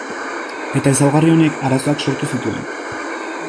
Eta ezaugarri honek arazoak sortu zituen.